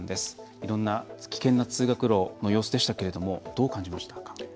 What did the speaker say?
いろんな危険な通学路の様子でしたけどどう感じましたか。